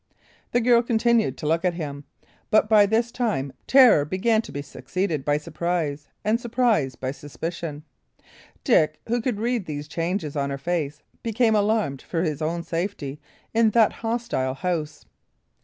The girl continued to look at him, but, by this time, terror began to be succeeded by surprise, and surprise by suspicion. Dick, who could read these changes on her face, became alarmed for his own safety in that hostile house.